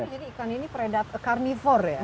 jadi ikan ini predat carnivore ya